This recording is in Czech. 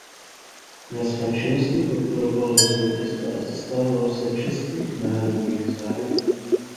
Ve své činnosti podporoval rozvoj města a zastával se českých národních zájmů.